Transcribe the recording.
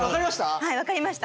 はい分かりました